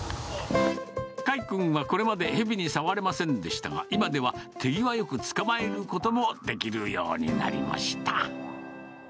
海君はこれまでヘビに触れませんでしたが、今では手際よく捕まえることもできるようになりました。